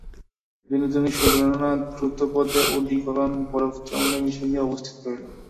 বিনোদিনী শুনিল না, দ্রুতপদে ওডিকলোন বরফজলে মিশাইয়া উপস্থিত করিল।